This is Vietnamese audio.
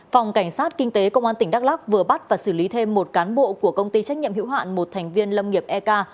phòng cảnh sát kinh tế công an tỉnh đắk lắc vừa bắt và xử lý thêm một cán bộ của công ty trách nhiệm hữu hạn một thành viên lâm nghiệp ek